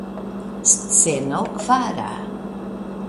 Sceno kvara.